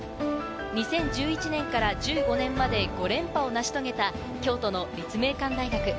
２０１１年から１５年まで５連覇を成し遂げた京都の立命館大学。